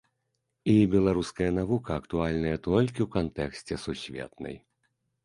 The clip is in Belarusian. І беларуская навука актуальная толькі ў кантэксце сусветнай.